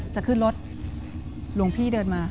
จะขึ้นรถหลวงพี่เดินมา